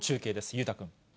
裕太君。